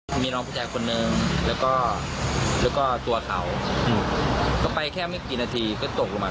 มันก็ไม่สูงแต่บางทีขุนรอบมันปรัดลงมา